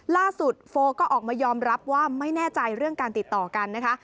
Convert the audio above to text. โฟก็ออกมายอมรับว่าไม่แน่ใจเรื่องการติดต่อกันนะคะ